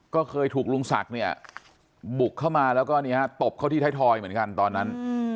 ก็เคยถูกลุงศักดิ์เนี่ยบุกเข้ามาแล้วก็ตบเข้าที่ไทยทอยเหมือนกันตอนนั้น